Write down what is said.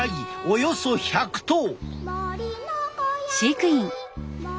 およそ１００頭！